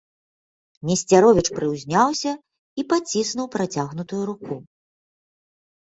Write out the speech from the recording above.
Несцяровіч прыўзняўся і паціснуў працягнутую руку.